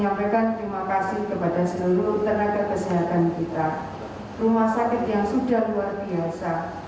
kesehatan kita rumah sakit yang sudah luar biasa